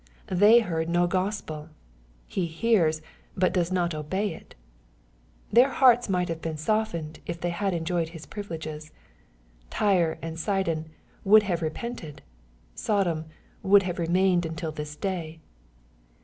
— They heard no Gospel ; he hears, but does not obey it. — Their hearts might have been softened, if they had enjoyed his privileges. Tyre and Sidon '^ would have repented."' Sodom "would have remained until this day.''